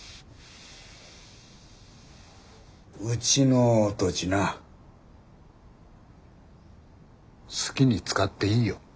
うちの土地な好きに使っていいよ。